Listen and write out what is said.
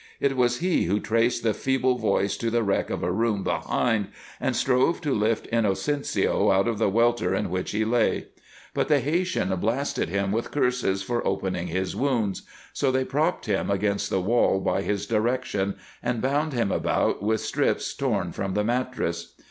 It was he who traced the feeble voice to the wreck of a room behind, and strove to lift Inocencio out of the welter in which he lay. But the Haytian blasted him with curses for opening his wounds; so they propped him against the wall by his direction, and bound him about with strips torn from the mattress.